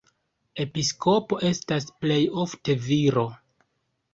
Episkopo estas plej ofte viro.